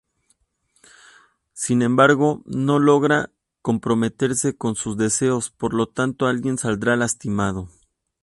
Sin embargo no logra comprometerse con sus deseos, por lo tanto alguien saldrá lastimado.